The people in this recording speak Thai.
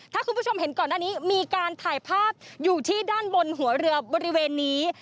ถ้าคุณผู้ชมเห็นก่อนหน้านี้มีการถ่ายภาพอยู่ที่ด้านบนหัวเรือบริเวณนี้